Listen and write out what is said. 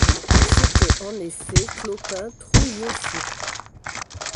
C'était en effet Clopin Trouillefou.